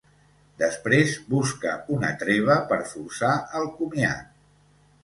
Després busca una treva per forçar el comiat.